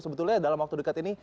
sebetulnya dalam waktu dekat ini